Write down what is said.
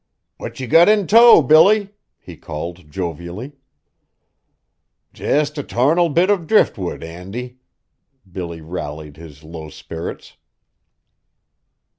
"What ye got in tow, Billy?" he called jovially. "Jest a tarnal little bit of driftwood, Andy." Billy rallied his low spirits.